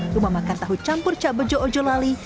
rumah makan tahu campur cak bejo ojo lali